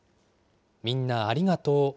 みんなありがとう。